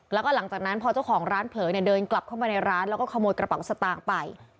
แล้วก็หลังจากนั้นพอเจ้าของร้านเผลอเดินกลับเข้ามาในร้านแล้วก็ขโมยกระเป๋าสตางค์ไป